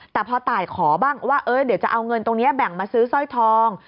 แต่พอตายขอบ้างว่าเดี๋ยวจะเอาเงินตรงนี้แบ่งมาซื้อสร้อยทอง